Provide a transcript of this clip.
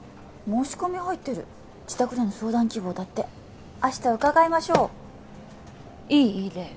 申し込み入ってる自宅での相談希望だって明日伺いましょういい？